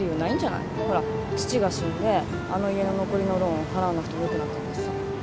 ほら父が死んであの家の残りのローン払わなくてもよくなったんだしさ。